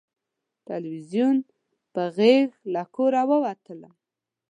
تلویزیون په غېږ له کوره ووتلم